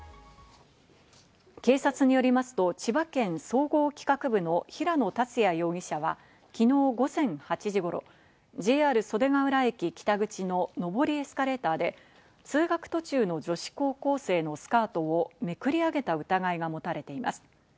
警察によりますと、千葉県総合企画部の平野達也容疑者は、昨日午前８時頃、ＪＲ袖ケ浦駅北口の上りエスカレーターで、通学途中の女子高校生のスカートをめくり上げた疑いが持たれています。